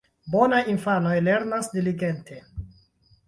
Bonaj infanoj lernas diligente.